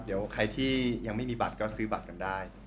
เดี๋ยวใครที่ยังไม่มีบัตรก็ซื้อบัตรกันได้